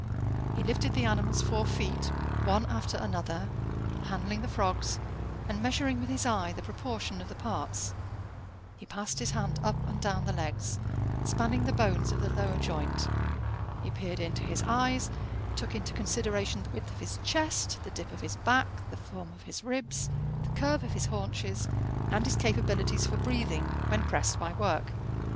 He lifted the animal's four feet, one after another, handling the frogs, and measuring with his eye the proportion of the parts; he passed his hand up and down the legs, spanning the bones of the lower joint; he peered into his eyes, took into consideration the width of his chest, the dip of his back, the form of his ribs, the curve of his haunches, and his capabilities for breathing when pressed by work.